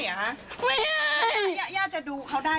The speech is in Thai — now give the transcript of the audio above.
ย่าจะดูเขาได้